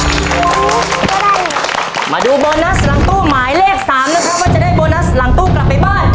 มาดูโบนัสหลังตู้หมายเลข๓ว่าจะได้โบนัสหลังตู้กลับไปบ้านเท่าไหร่